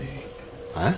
えっ？